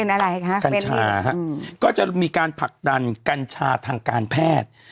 อะไรคะกัญชาฮะก็จะมีการผลักดันกัญชาทางการแพทย์